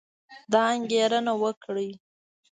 دا انګېرنه وکړئ